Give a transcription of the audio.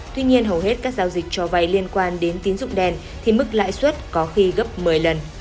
tuy nhiên hầu hết các giao dịch cho vay liên quan đến tín dụng đen thì mức lãi suất có khi gấp một mươi lần